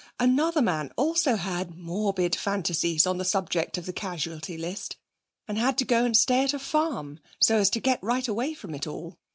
Another man also had morbid fancies on the subject of the casualty list, and had had to go and stay at a farm so as to 'get right away from it all'.